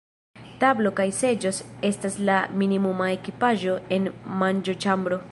Tablo kaj seĝoj estas la minimuma ekipaĵo en manĝoĉambro.